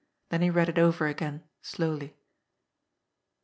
Then he read it over again, slowly.